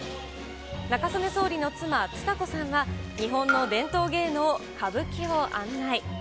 中曽根総理の妻、蔦子さんが日本の伝統芸能、歌舞伎を案内。